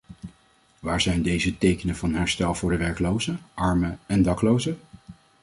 Waar zijn deze tekenen van herstel voor de werklozen, armen en daklozen?